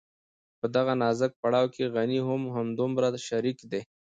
په دغه نازک پړاو کې غني هم همدومره شريک دی.